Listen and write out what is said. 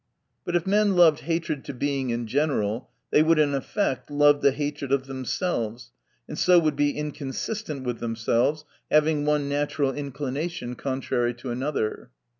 But if men loved hatred to Being in general, they would in effect love the hatred of themselves ; and so would be inconsistent with themselves, having one natural inclination contrary to another.